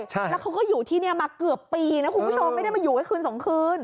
แล้วเขาก็อยู่ที่นี่มาเกือบปีนะคุณผู้ชมไม่ได้มาอยู่ไว้คืน๒คืน